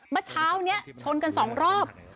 เมื่อเช้านี้ชนกัน๒รอบ